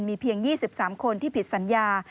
มีเพียง๒๓คนที่ผิดสัญญา